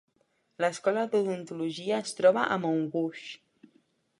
L'escola d'odontologia es troba a Montrouge.